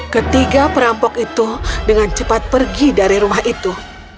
ketiga perampok itu dengan cepat pergi dari rumah itu